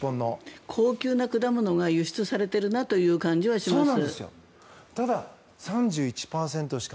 高級な果物が輸出されているなという感じはします。